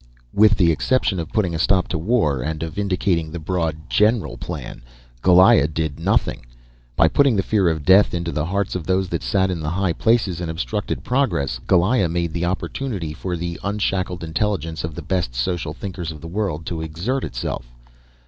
With the exception of putting a stop to war, and of indicating the broad general plan, Goliah did nothing. By putting the fear of death into the hearts of those that sat in the high places and obstructed progress, Goliah made the opportunity for the unshackled intelligence of the best social thinkers of the world to exert itself.